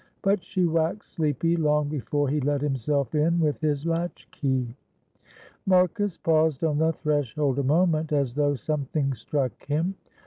But she waxed sleepy long before he let himself in with his latch key. Marcus paused on the threshold a moment as though something struck him.